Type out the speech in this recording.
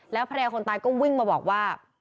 แล้วภรรยาคนตายก็วิ่งมาบอกว่า